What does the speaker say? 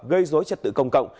gây rối trật tự công cộng